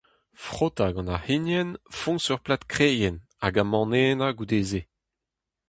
Frotañ gant ar c'hignen foñs ur plad kreien, hag amanennañ goude-se.